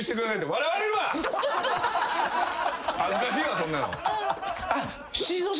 恥ずかしいわそんなの。